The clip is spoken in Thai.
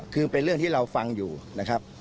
คือเป็นเรื่องที่เราฟังอยู่นะครับ